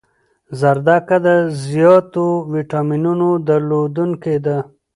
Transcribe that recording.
زردکه د زیاتو ویټامینونو درلودنکی ده